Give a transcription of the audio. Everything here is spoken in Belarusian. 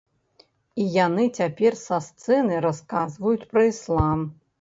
І яны цяпер са сцэны расказваюць пра іслам.